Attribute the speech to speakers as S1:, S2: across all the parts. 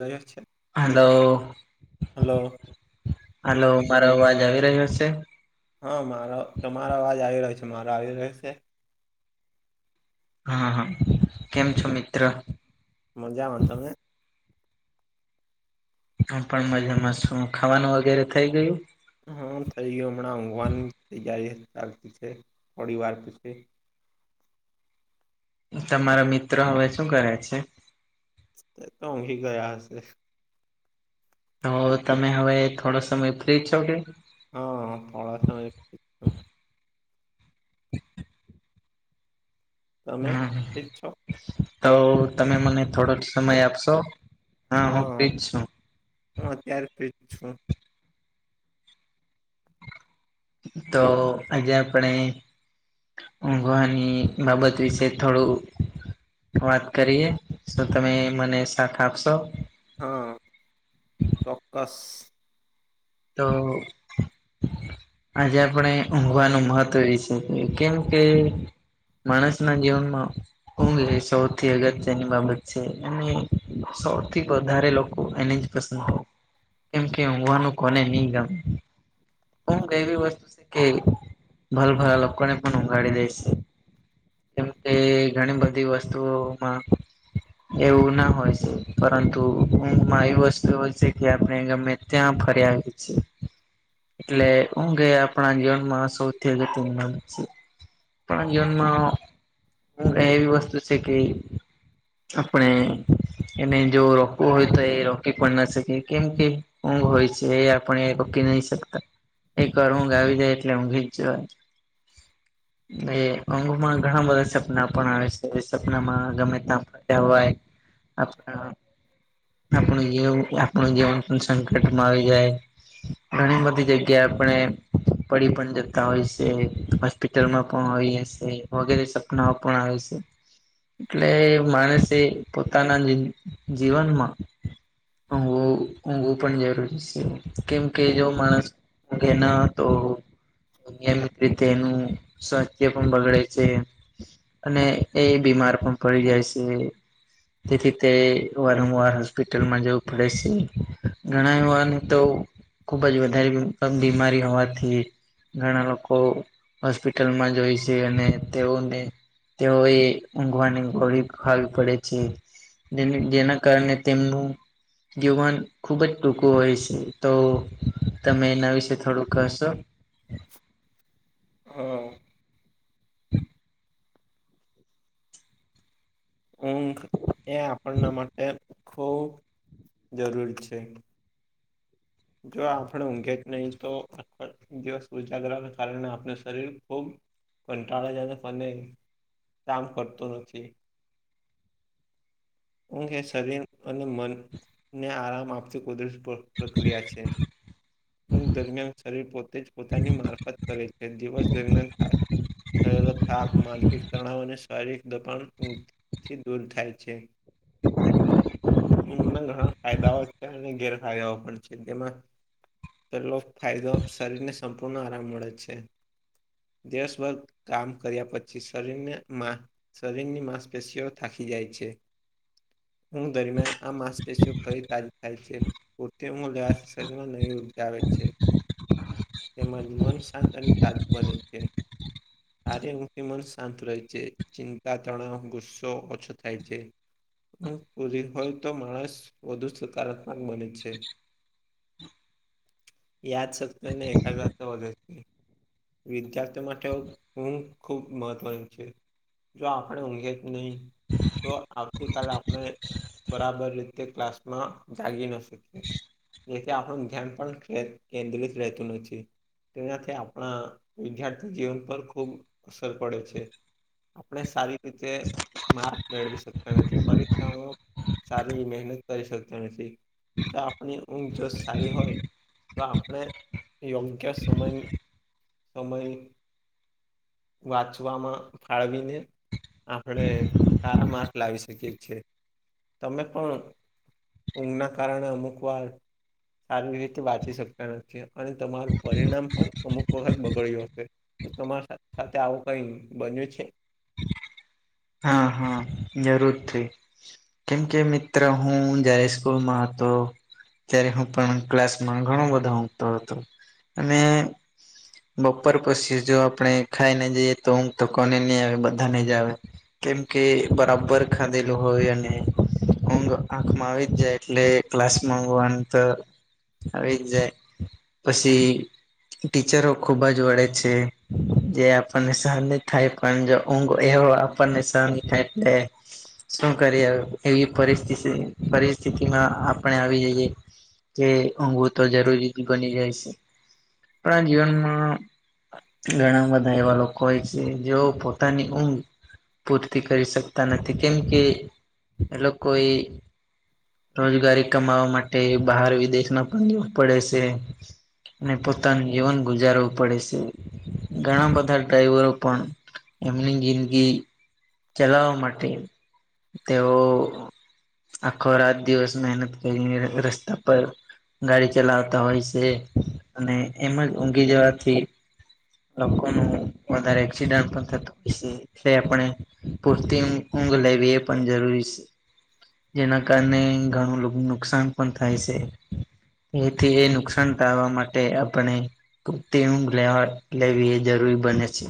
S1: રિયાઠ છે
S2: hello
S1: hello
S2: hello મારો અવાજ આવી રહ્યો છે.
S1: હા મારો તમારો અવાજ આવી રહ્યો છે મારો આવી રહ્યો છે.
S2: હા હા કેમ છો મિત્ર
S1: મજામાં તમે?
S2: હું પણ મજામાં શું ખાવાનું વગેરે થઈ ગયું
S1: હા થ‌ઈ ગયું હમળા ઊંઘવાની તૈયારી છે થોડી વારે પછી
S2: તમારો મિત્રો હવે શું કરે છે?
S1: તે તો ઉંધી ગયા હશે
S2: તો તમે હવે થોડો સમય ફ્રી છો કે?
S1: હા પળ તમે
S2: હમ
S1: ફ્રી જ છો
S2: તો તમે મને થોડોક સમય આપશો. હા હું ફ્રીઝ છું.
S1: હું અત્યારે ફ્રીજ છું.
S2: તો આજે આપણે ઉઘવાની બાબત વિશે થોડું વાત કરીએ તો તમે મને સાથ આપશો.
S1: હા ચોક્કસ.
S2: તો આજે આપણે ઊઘવાનું મહત્ત્વ એ છે કેમ કે માણસના જીવનમાં ઊંઘ એ સૌથી અગત્યની બાબત છે, અને સૌથી વધારે લોકો એને કેમ કે હોવાનું કોને નહી ગમે. હ એવી વસ્તુ છે કે ભલ ભલા લોકોને પણ ઊંઘાડી દઈશ જેમ કે ઘણી બધી વસ્તુઓમાં એવું ના હોય છે, પરંતુ ઊંઘમાં એ વસ્તુ હોય છે, કે આપણે ગમે ત્યાં ફરયાદ છે. એટલે હુંઘે આપણા જીવનમાં સૌથી અગત્યની બાબત છે. પણ જીવનમાં ઊંઘ એવી વસ્તુ છે કે આપણે એને જો રોકવું હોય તો એ રોકી પણ ના શકે કેમ કેમ ઊંઘ હોય છે એ આપણે રોકી નહી શકતા એક વાર ઊંઘ આવી જાય એટલે ઊંઘીજ જવાય એ કોંગમાં ઘણા બધા સપના પણ આવે છે, એ સપનામાં ગમે તા વાય આપણા આપણું જેવ આપણું જીવન પણ સંકટમાં આવે ઘણી બધી જગ્યા આપણે-મ પડી પણ જતા હોય છે, હોસ્પિટલમાં પણ હોય હશે વગેરે. [unintelligible] એટલે માણસે પોતાના જીવનમાં ઊંઘવું ઊંઘું પણ જરૂરી છે. કેમ કે જો માણસ ઊઘે ના હતો. નિયમિત રીતે એનું સ્વાસ્થ્ય પણ બગડે છે. અને એ બીમાર પણ પડી જાય છે. તેથી તે વારંવાર હોસ્પિટલમાં જવું પડે છે, ઘણા વાર તો ખુબ જ વધારે બીમારી હોવાથી. ઘણા લોકો હોસ્પિટલમાં જોય છે, અને તેઓને તેઓ એ ઊંઘવાની ગોળી ખાવી પડે છે. જેની જેના કારણે તેમનું જીવન ખુબજ દુઃખ તું હોય છે, તો તમે એના વિશે થોડુંક કશો.
S1: હા. ઊંઘ એ આપણના માટે ખૂબ જરૂરી છે. જો આપણે ઊંઘે જ નહીં તો દિવસ ઉજાગ્રા કારણે આપણ શરીર ખૂબ કંટાળે જને મને કામ કરતું નથી. ઊંઘ એ શરીર અને મનને આરામ આપતી કુદરત પ્ર ક્રિયા છે. ઊઘ દરમિયાન શરીર પોતેજ પોતાની મારફત કરે છે દિવસ દરમિયાન થાક થયેલો થાક માનસિક તણાવ અને શારીરિક દબાણ થી દૂર થાય છે. ઊંઘ ના ઘણા ફાયદાઓ છે, અને ગેરફાયદાઓ પણ છે. તેમાં પેલો ફાયદો શરીરને સંપૂર્ણ આરામ મળે છે. દિવસ ભર કામ કર્યા પછી શરીરને મા શરીરની માંસપેશીઓ થાકી જાય છે. ઊંઘ દરમિયાન આ માંસ પેશીઓ ફરી તારી છે. તેવું લેવાથી શરીરમાં નવી ઉર્જા આવે છે. તેમજ મન શાંત અને તર્ક બને છે. કાર્ય વૃતિ મન શાંત રહી છે. ચિંતા તણાવ ગુસ્સો ઓછો થાય છે. ઊંઘ પૂરી હોય તો માણસ વધુ સકારાત્મક બને છે યાદ સત્તાને એકાગ્રતા વધે છે વિદ્યાર્થીઓ માટે ઊંઘ ખૂબ મહત્વની છે જો આપડે ઊઘીએ જ નહી તો આવતીકાલે આપણે બરાબર રીતે ક્લાસમાં જાગી ને સુઈએ. જેથી આપણું ધ્યાન પણ કેન્દ્રિત રહેતું નથી તેનાથી આપણા વિદ્યાર્થી જીવન પર ખૂબ અસર પડે છે આપણે સારી રીતે માર્ક મેળવી શકતા નથી પરીક્ષામાં સારી મહેનત કરી શકતા નથી જો આપણે આપણી ઊંઘ જો સારી હોય તો આપણે યોગ્ય સમયની સમય વાંચવામાં ફાળવીને આપડે તારા મા લાવી શકીએ છીએ તમે પણ ઊંઘના કારણે અમુક એક વાર સારી રીતે વાંચી શકતા નથી અને તમારું પરિણામ પણ અમુક વખત બગડ્યું હશે તમારા સાથે આવું કઈ બન્યું છે
S2: હા હા જરૂર થઈ કેમ કે મિત્ર હું જય સ્કૂલમાં હતો ત્યારે હું પણ ક્લાસમાં ઘણો બધા તો હતો અને બપોર પછી જો આપણે ખાઈ ને જઈએ તો ઊંઘ તો કોને નહી આવે બધા ને જ આવે કેમ કે બરાબર ખાધેલું હોય અને ઊંઘ આંખમાં આવી જ જાય એટલે ક્લાસ માં હોવાનું તો આવી જ જાય પછી ટીચરો ખુબ જ વળે છે જે આપણને સહન થાય પણ જો ઊંઘ એવો ને સહન થાય એટલે શું કરી એવી પરિસ્થિતિમાં પરિસ્થિતિમાં આપણે આવી જઈએ કે ઊંઘું તો જરૂરી જ બની જાય છે પણ આ જીવનમાં ઘણા બધા એવા લોકો હોય છે જેઓ પોતાની ઊંઘ પૂરતી કરી શકતા નથી કેમ કે એ લોકો એ રોજગારી કમાવા માટે બહાર વિદેશના પણ ભાગવું પડે છે અને પોતાનું જીવન ગુજારવું પડે છે ઘણા બધા ડ્રાઈવરો પણ એમની જિંદગી ચલાવા માટે તેઓ આખો રાત દિવસ મહેનત કરીને રસ્તા પર ગાડી ચલાવતા હોય છે અને એમાં જ ઊંઘી જવાથી લોકો નુ વધારે એક્સિડન્ટ પણ થતું હોય છે તે આપણે પૂરતી ઊંઘ લેવી એ પણ જરૂરી છે જેના કારણે ઘણું લોકો નુકસાન પણ થાય છે એથી એ નુકસાન ટાળવા માટે આપણે પૂરતી ઊંઘ લેવા લેવી એ જરૂરી બને છે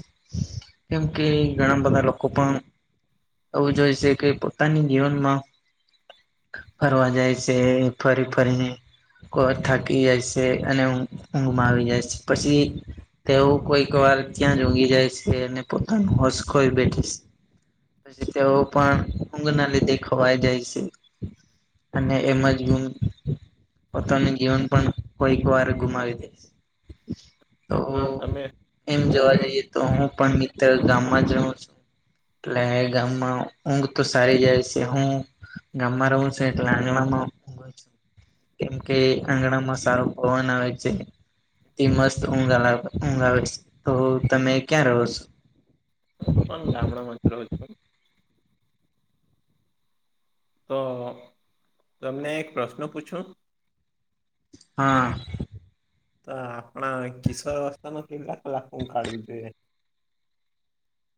S2: કેમ કે ઘણા બધા લોકો પણ એવું જોઈ છે કે પોતાની જીવનમાં ફરવા જાય છે ફરી ફરીને થાકી જાય છે અને ઊંઘમાં આવી જાય છે પછી તેવું કોઈક વાર ક્યાં ઉંઘી જાય છે અને પોતાનું હોસ ખોઈ બેઠી છે. પછી તેઓ પણ ઊંઘ ના લીધે ખવાઈ જાય છે. અને એમ જ હુ પોતાનું જીવન પણ કોઈક વાર ગુમાવી દેસ
S1: [inaudible]
S2: તો
S1: તમે
S2: એમ જોવા
S1: તમે
S2: જઈએ તો હું પણ મિત્ર ગામમાં જ રહું છું. એટલે ગામમાં ઊંઘ તો સારી જાય છે હું. ગામમાં રવું છે એટલે આંગલામાં કેમ કે આંગણામાં સારો પવન આવે છે. તે મસ્ત ઊંઘા ઊંઘ આવે છે તો તમે ક્યાં રહો છો?
S1: હું પણ ગામડા મા જ રહુ છું. તો તમને એક પ્રશ્ન પૂછું.
S2: હા
S1: તો આપણા કિશોર વવસ્થા મ કેટલા કલાક ઊંઘ કાઢવી જોઈએ.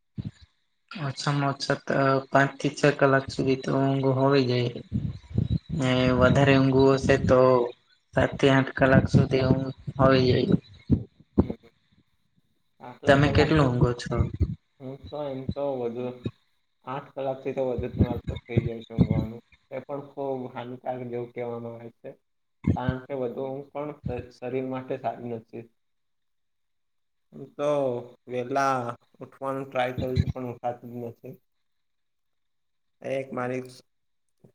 S1: [inaudible]
S2: છામાં ઓછા પાંચ થી છ કલાક સુધી તો ઊઘ હોવી જોઈએ. ને વધારે ઊંઘું હશે તો સાત થી આઠ કલાક સુધી ઊંઘ હો જાય
S1: હમ હ
S2: તમે કેટલું ઊંઘો છો?
S1: હું તો એમ તો વધુ આઠ કલાક થી તો વધુ જ મારતો થઈ જાય છે ઊઘવાનું, એ પણ ખુબ હાનિકાર જેવું કહેવાવામાં આવેય છે. કારણ કે વધુ ઊંઘ પણ શરીર માટે સારું નથી. હું તો વેલા ઉઠવાનું ટ્રાય કરું છું પણ ઉઠાતું જ નથી. આ એક મારી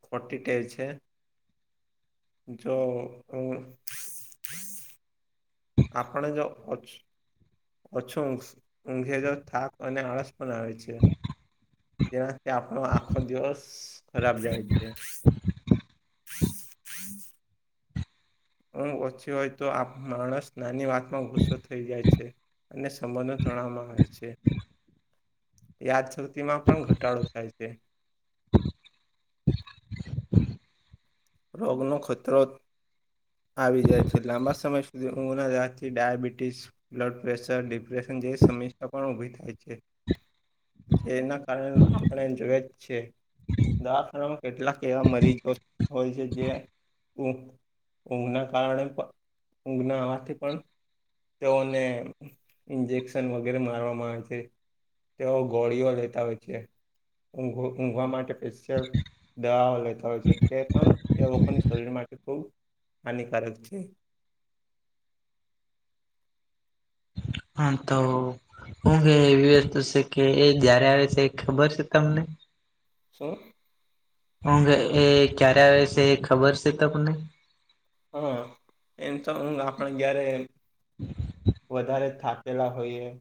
S1: ખોટી ટેર છે. જો હ આપણે જો ઓછ ઓછું ઊંઘે થાક અને આળસ પણ આવે છે. જેના કે આપણો આખો દિવસ ખરાબ જાય છે. [unintelligible] ઊંઘ ઓછી હોય તો આ માણસ નાની વાતમાં ગુસ્સો થઈ જાય છે. અને સંબંધો જણાવવામાં આવે છે યાદ છ માં પણ ઘટાડો થાય છે. રોગ્ નો ખત્રોત આવી જાય છે, લાંબા સમય સુધી હું ના જાતથી ડાયાબિટીસ બ્લડ પ્રેશર ડિપ્રેશન જેવી સમસ્યા પણ ઉભી થાય છે. જે એના કારણે આપણે એ જોયએ જ છે. દવાખાનામાં કેટલાક એવા મરીજો હોય છે જે ઊંઘના કારણે પણ ઊંઘ ના આવવાથી પણ તેઓને ઇન્જેક્શન વગેરે મારવામાં આવે છે. તેઓ ગોળીઓ લેતા હોય છે ઊંઘ ઊંઘવા માટે સ્પેશિયલ દવા લેતા હોય છે કે એ લોકોની શરીર માટે ખૂબ હાનિકારક છે.
S2: હા તો હું કે એવી વસ્તુ છે કે એ જયારે આવે છે એ ખબર છે તમને
S1: સો
S2: હ એ ક્યારે આવે છે એ ખબર છે તમને
S1: હા એમ તો હું આપણ જયારે વધારે થાકેલા હોઈએ.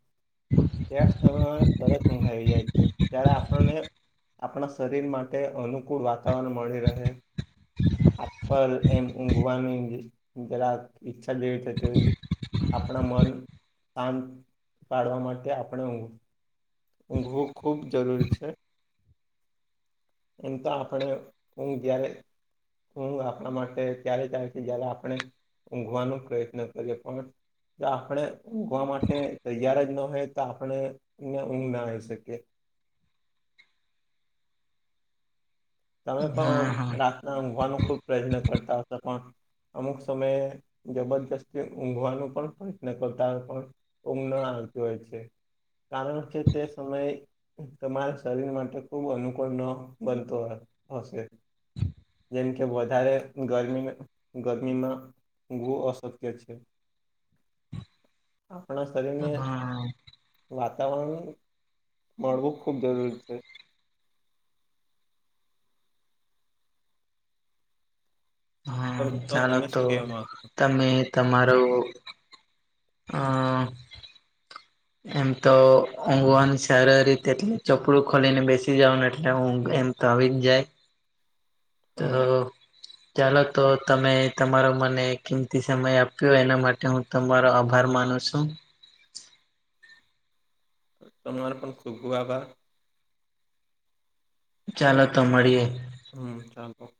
S1: ત્યા સમમાં તરત ઊઘ આવી જાય છે ત્યારે આપણને આપણા શરીર માટે અનુકૂળ વાતાવરણ મળી રહે. આપલ એમ ઊંઘવાની ગલાક ઈચ્છા દઈવી છે તે આપણા મન શાંત પાડવા માટે તે આપણે ઊંઘ ઊંઘવું ખૂબ જરૂરી છે એમ તો આપણે હું જારે હું આપણા માટે ત્યારે તારથી જય્યારે આપણે ઊંઘવાનો પ્રયત્ન કરીએ પણ જો આપણે ઊંઘવા માટે તૈયાર જ ના હોય તો આપણે ઊંઘ ના આવીઈ શકીએ તમે પણ
S2: હા હા.
S1: રાતના ઊંઘવાનો ખુબ પ્રયત્ન કરતા હતા પણ અમુક સમયે જબરજસ્તી ઊંઘવાનો પણ પ્રયત્ન કરતા પણ ઉમ આવત હોય છે કારણ કે તે સમયે તમારા શરીર માટે ખૂબ અનુકૂળ ન બનતો હશે જેમ કે વધારે ગરમી ગરમીમાં ગુ અશક્ય છે આપણા શરીરને
S2: હા
S1: વાતાવરણ મળવું ખૂબ જરૂરી છે
S2: હા
S1: તમ
S2: ચાલ
S1: તમે
S2: તો
S1: શું કેવા માંગો
S2: તમે તમારો અ
S1: [inaudible]
S2: એમ તો ઊંઘવાનું સારી રીતે એટલી ચપલું ખોલીને બેસી જાવ ને એટલે ઊંઘ એમ ત આવીન જાય તો
S1: હમ
S2: ચાલો તો તમે તમારો મને કિંમતી સમય આપ્યો એના માટે હું તમારો આભાર માનું છું
S1: સોર પણણ શુભ આભાર
S2: ચાલો તો મળીએ
S1: હમ ચાલતોો